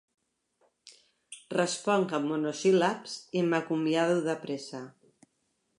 Responc amb monosíl·labs i m'acomiado de pressa.